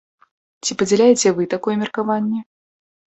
Ці падзяляеце вы такое меркаванне?